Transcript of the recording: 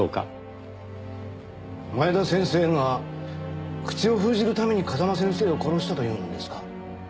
前田先生が口を封じるために風間先生を殺したと言うんですか？